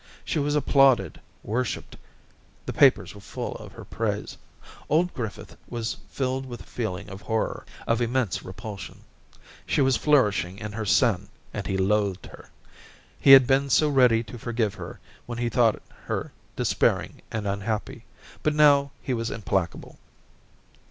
She was applauded, worshipped ; the papers were full of her praise. Old Griffith was filled with a feeling of horror, of immense repulsion. She was flourishing in her sin, and he loathed her. He had been so ready to forgive her when he thought her de Daisy 257 spairing and unhappy ; but now he was implacable.